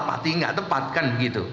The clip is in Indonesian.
pasti enggak tepat kan